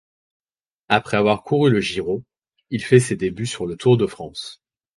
Après avoir couru le Giro, il fait ses débuts sur le Tour de France.